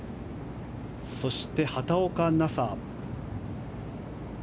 そして、畑岡奈紗。